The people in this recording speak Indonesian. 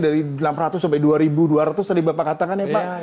dari enam ratus sampai dua dua ratus tadi bapak katakan ya pak